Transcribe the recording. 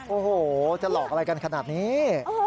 โอ้โหจะหลอกอะไรกันขนาดนี้